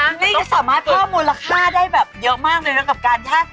นี่สามารถข้อมูลราคาได้แบบเยอะมากเลยและกับการ